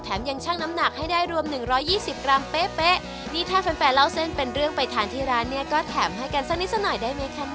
ยังชั่งน้ำหนักให้ได้รวมหนึ่งร้อยยี่สิบกรัมเป๊ะเป๊ะนี่ถ้าแฟนแฟนเล่าเส้นเป็นเรื่องไปทานที่ร้านเนี่ยก็แถมให้กันสักนิดสักหน่อยได้ไหมคะ